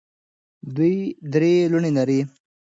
دوی درې لوڼې لري.